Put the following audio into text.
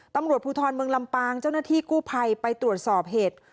ตำรวจภูทรเมืองลำปางเจ้าหน้าที่กู้ภัยไปตรวจสอบเหตุ